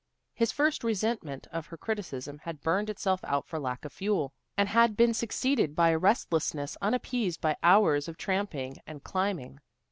His first resentment of her criticism had burned itself out for lack of fuel, and had been succeeded by a restlessness unappeased by hours of tramping and climbing.